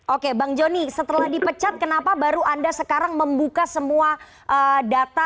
oke bang joni setelah dipecat kenapa baru anda sekarang membuka semua data